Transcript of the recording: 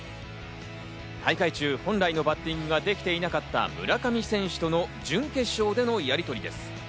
大会中、本来のバッティングができていなかった村上選手との準決勝でのやりとりです。